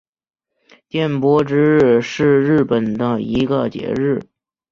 电波之日是日本的一个节日。